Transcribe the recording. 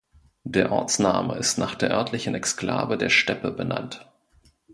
Der Ortsname ist nach der örtlichen Exklave der Steppe benannt.